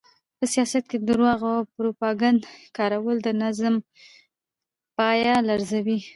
په سیاست کې د درواغو او پروپاګند کارول د نظام پایه لړزوي.